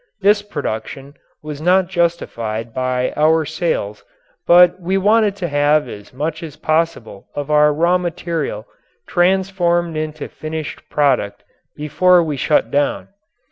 This production was not justified by our sales but we wanted to have as much as possible of our raw material transformed into finished product before we shut down.